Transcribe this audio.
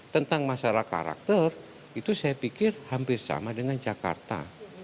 tentang masalah karakter itu saya pikir hampir sama dengan jakarta